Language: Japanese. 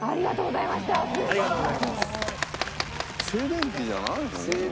静電気じゃないの？